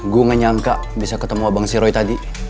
gue ngenyangka bisa ketemu abang si roy tadi